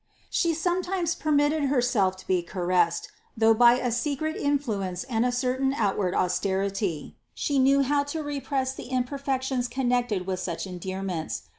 She sometimes permitted Herself to be caressed, though, by a secret influence and a cer tain outward austerity, She knew how to repress the im perfections connected with such endearments.